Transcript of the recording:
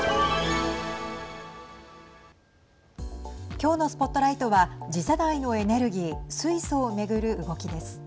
今日のＳＰＯＴＬＩＧＨＴは次世代のエネルギー水素を巡る動きです。